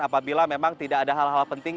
apabila memang tidak ada hal hal penting